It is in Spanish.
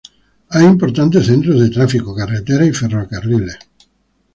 Hay importantes centros de tráfico, carreteras y ferrocarriles.